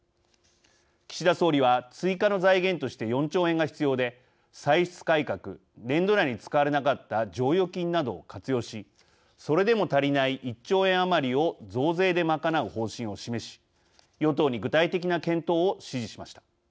岸田総理は、追加の財源として４兆円が必要で、歳出改革年度内に使われなかった剰余金などを活用しそれでも足りない１兆円余りを増税で賄う方針を示し与党に具体的な検討を指示しました。